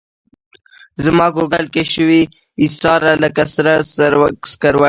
زماګوګل کي شوې ایساره لکه سره سکروټه